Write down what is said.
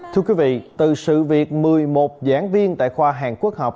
thưa quý vị từ sự việc một mươi một giảng viên tại khoa hàn quốc học